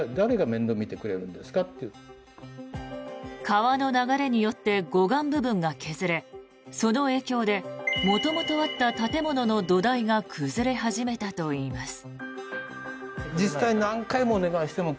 川の流れによって護岸部分が削れその影響で元々あった建物の土台が崩れ始めたといいます。